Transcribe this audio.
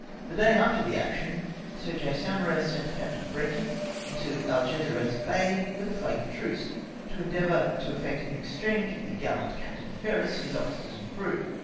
The day after the action, Sir J. Saumarez sent Capt. Brenton into Alge su as Bay with a flag of truce, to endeavour to effect an exchange of the gallant Capt. Ferris, his officers, and crew.